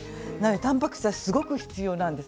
たんぱく質はすごく必要なんです。